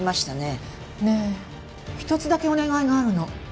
ねえ一つだけお願いがあるの。